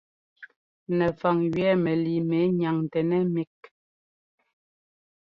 Nɛfaŋ gẅɛɛ mɛlii mɛ nyaŋtɛnɛ́ mík.